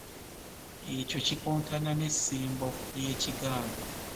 Ekyo kikontana n’essimbo ly’ekiganda.